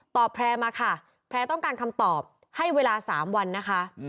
แพร่มาค่ะแพร่ต้องการคำตอบให้เวลา๓วันนะคะ